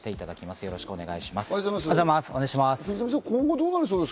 よろしくお願いします。